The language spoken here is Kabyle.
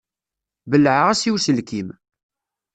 Belɛeɣ-as i uselkim.